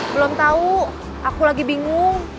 belum tahu aku lagi bingung